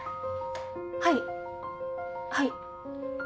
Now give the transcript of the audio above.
はいはい。